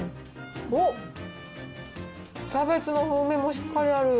おっ、キャベツの風味もしっかりある。